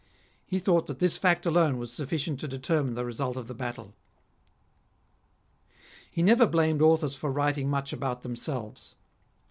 He thought that this fact alone was sufficient to determine the result of the battle. 136 . REMARKABLE SAYINGS OF He never blamed authors for writing much about themselves.